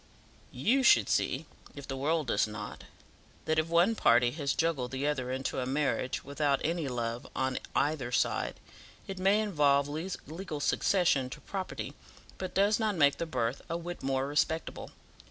"YOU should see, if the world does not, that if one party has juggled the other into a marriage, without any love on either side, it may involve legal succession to property, but does not make the birth a whit more respectable.